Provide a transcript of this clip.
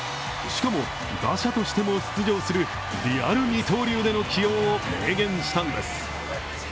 しかも打者としても出場するリアル二刀流での起用を明言したんです。